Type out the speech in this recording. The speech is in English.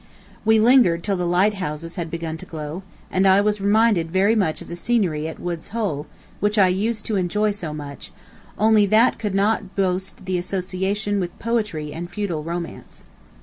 We lingered till the lighthouses had begun to glow, and I was reminded very much of the scenery at Wood's Hole, which I used to enjoy so much, only that could not boast the association with poetry and feudal romance.